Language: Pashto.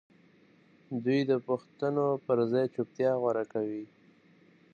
دوی د پوښتنو پر ځای چوپتيا غوره کوي.